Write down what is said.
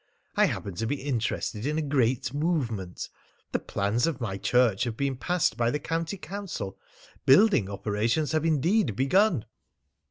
I happen to be interested in a great movement. The plans of my church have been passed by the county council. Building operations have indeed begun."